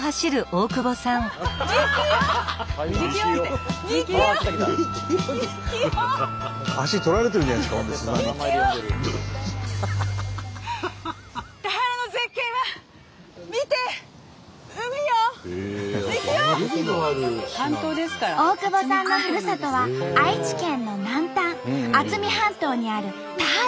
大久保さんのふるさとは愛知県の南端渥美半島にある田原市。